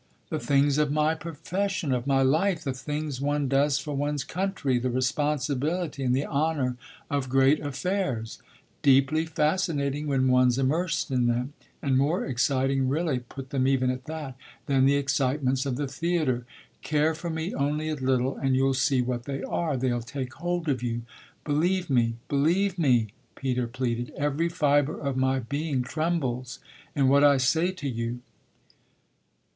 "The things of my profession, of my life, the things one does for one's country, the responsibility and the honour of great affairs; deeply fascinating when one's immersed in them, and more exciting really put them even at that than the excitements of the theatre. Care for me only a little and you'll see what they are, they'll take hold of you. Believe me, believe me," Peter pleaded; "every fibre of my being trembles in what I say to you."